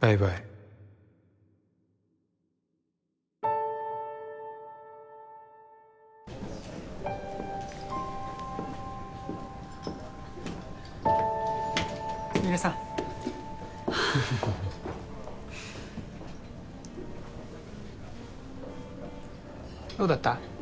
バイバイスミレさんどうだった？